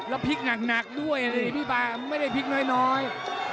แล้วพลิกหนักด้วยดิพี่บาไม่ได้พลิกน้อย